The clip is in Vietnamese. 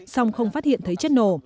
xong không phát hiện thấy chất nổ